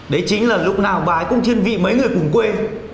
đấy chính là lúc nào bà ấy cũng thiên vị mấy người cùng quê